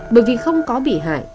bởi vì không có bị hại